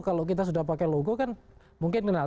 kalau kita sudah pakai logo kan mungkin kenal